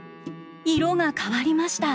色が変わりました。